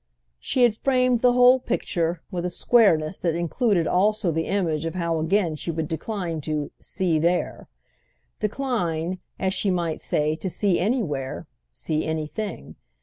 She had framed the whole picture with a squareness that included also the image of how again she would decline to "see there," decline, as she might say, to see anywhere, see anything.